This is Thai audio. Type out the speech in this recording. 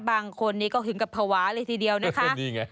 บางคนก็คิดแบบเผาะเลยทีเดียวนะคะ